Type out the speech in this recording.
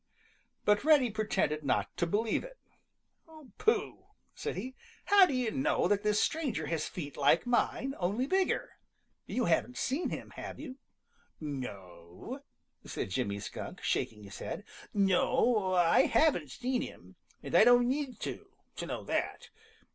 But Reddy pretended not to believe it. "Pooh!" said he. "How do you know that this stranger has feet like mine, only bigger. You haven't seen him, have you?" "No," said Jimmy Skunk, shaking his head, "no, I haven't seen him, and I don't need to, to know that.